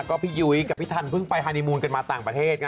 ก็พี่ยุ้ยกับพี่ทันเพิ่งไปฮานีมูลกันมาต่างประเทศไง